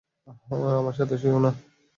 আমার সাথে শুয়োও নি?